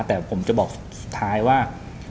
แต่ผมจะบอกสุดท้ายว่า